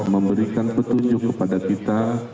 memberikan petunjuk kepada kita